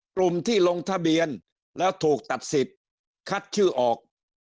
กลุ่มที่ลงทะเบียนแล้วถูกตัดสิทธิ์คัดชื่อออก